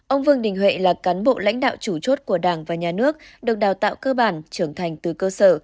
ông vương đình huệ là cán bộ lãnh đạo chủ chốt của đảng và nhà nước được đào tạo cơ bản trưởng thành từ cơ sở